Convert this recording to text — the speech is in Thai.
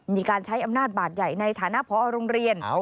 มีการใช้อำนาจบาดใหญ่ในฐานะพอโรงเรียน